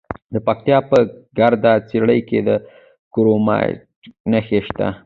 د پکتیا په ګرده څیړۍ کې د کرومایټ نښې شته.